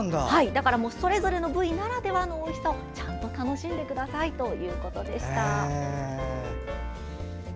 それぞれの部位ならではのおいしさをちゃんと楽しんでくださいということでした。